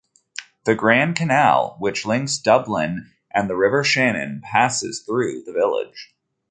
The Grand Canal, which links Dublin and the River Shannon, passes through the village.